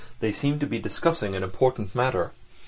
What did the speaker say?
They seemed to be discussing an important matter.